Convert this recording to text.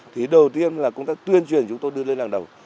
thì đầu tiên là công tác tuyên truyền chúng tôi đưa lên đằng đầu